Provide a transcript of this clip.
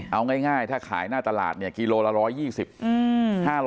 เอาง่ายถ้าขายหน้าตลาดกิโลกรัมละ๑๒๐กิโลกรัม